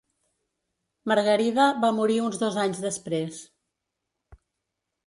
Margarida va morir uns dos anys després.